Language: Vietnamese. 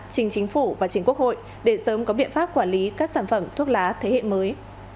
trình chính phủ và chính quốc hội để sớm có biện pháp quản lý các sản phẩm thuốc lá thế hệ mới